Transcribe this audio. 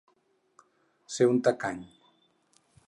Ser un tacany.